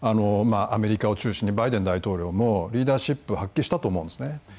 アメリカを中心にバイデン大統領もリーダーシップを発揮したと思うんですね。